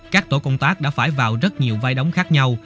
các tổ công tác đã phải vào rất nhiều vai đóng khác nhau